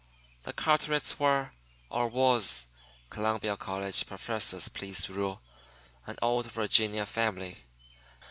The Carterets were, or was (Columbia College professors please rule), an old Virginia family.